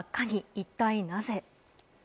一体なぜ？